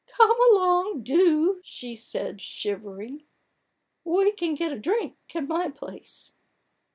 " Come along — do !' she said, shivering : 4< We can get a drink at my place."